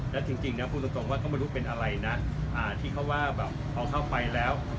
แล้วจริงนะพูดตรงว่าก็ไม่รู้เป็นอะไรนะที่เขาว่าแบบเอาเข้าไปแล้ว